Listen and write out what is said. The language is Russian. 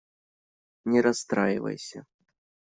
Не расстраивайся.